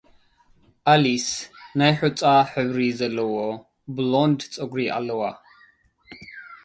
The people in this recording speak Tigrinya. ኣሊስ፡ ናይ ሑጻ ሕብሪ ዘለዎ ብሎንድ ጸጉሪ ኣለዋ።